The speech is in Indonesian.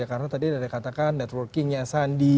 karena tadi ada yang katakan networkingnya sandi